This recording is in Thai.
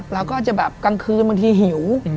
เราก็จะแบบกลางคืนบางทีหิว